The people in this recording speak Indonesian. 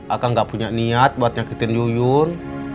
akang gak punya niat buat nyakitin yuyun